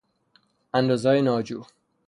اندازههای ناجور